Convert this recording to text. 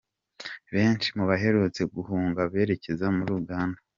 Benshi mu baherutse guhunga berekeje muri Uganda.